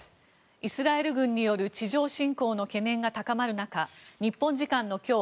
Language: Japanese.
イスラエル軍による地上侵攻の懸念が高まる中日本時間の今日